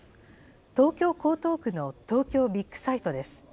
東京・江東区の東京ビッグサイトです。